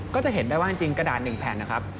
ก็จะเห็นได้ว่าจริงกระดาษ๑แผ่นนะครับ